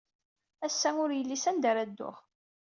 Ass-a, ur yelli sanda ara dduɣ.